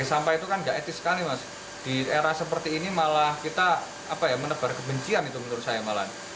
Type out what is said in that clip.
dia juga menyebutkan bahwa itu tidak etis sekali mas di era seperti ini malah kita menebar kebencian itu menurut saya malah